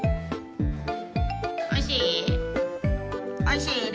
おいしい？